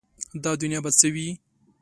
دا دنیا به څه وي ؟